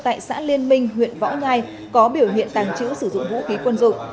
tại xã liên minh huyện võ nhai có biểu hiện tàng trữ sử dụng vũ khí quân dụng